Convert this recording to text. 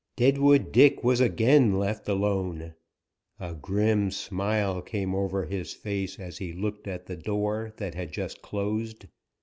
Deadwood Dick was again left alone. A grim smile came over his face as he looked at the door that had just closed.